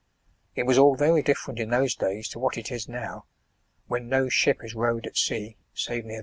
It was all tery different in those days to what it is now, when no ship is rowed at sea, save near B.